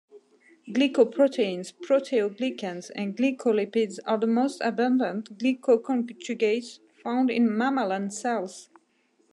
Glycoproteins, proteoglycans and glycolipids are the most abundant glycoconjugates found in mammalian cells.